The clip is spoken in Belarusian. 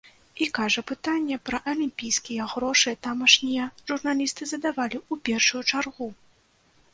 І, кажа, пытанне пра алімпійскія грошы тамашнія журналісты задавалі ў першую чаргу.